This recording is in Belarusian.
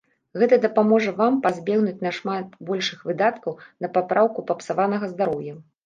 Гэта дапаможа вам пазбегнуць нашмат большых выдаткаў на папраўку папсаванага здароўя.